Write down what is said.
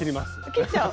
切っちゃう。